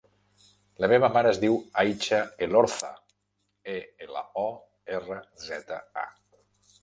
La meva mare es diu Aicha Elorza: e, ela, o, erra, zeta, a.